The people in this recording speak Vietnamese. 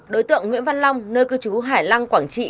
đối tượng nguyễn văn long nơi cư trú hải lăng quảng trị